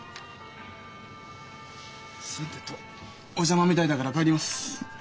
さてとお邪魔みたいだから帰ります。